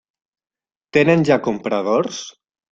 Tenen ja compradors?